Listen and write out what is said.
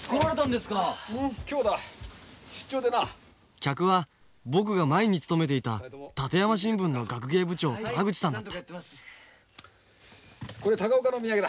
客は僕が前に勤めていた立山新聞の学芸部長虎口さんだったこれ高岡の土産だ。